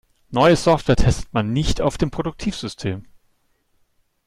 Neue Software testet man nicht auf dem Produktivsystem.